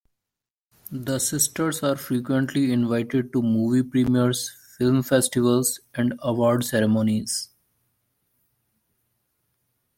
The sisters are frequently invited to movie premieres, film festivals, and award ceremonies.